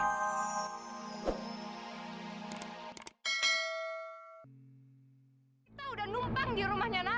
kita udah numpang di rumahnya nara